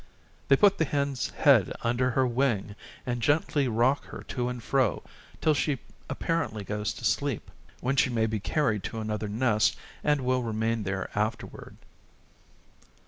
They put the hen's head under her wing and gently rock her to and fro till she apparently goes to sleep, when she may be carried to another nest and will remain there afterward.